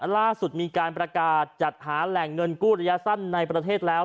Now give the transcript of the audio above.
ล่าสุดมีการประกาศจัดหาแหล่งเงินกู้ระยะสั้นในประเทศแล้ว